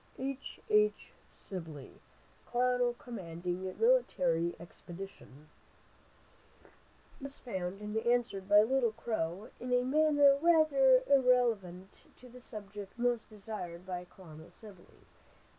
"H. H. SIBLEY, "Colonel Commanding Military Expedition." The note was found, and answered by Little Crow in a manner rather irrelevant to the subject most desired by Colonel Sibley.